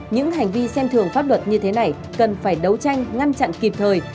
những hành vi xem thường pháp luật như thế này cần phải đấu tranh ngăn chặn kịp thời